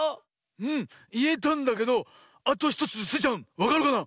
うんいえたんだけどあと１つスイちゃんわかるかな？